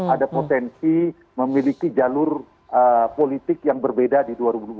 ada potensi memiliki jalur politik yang berbeda di dua ribu dua puluh